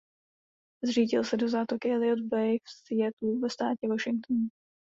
Zřítil se do zátoky Elliott Bay v Seattlu ve státě Washington.